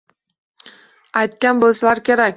Aytgan bo‘lsalar kerak?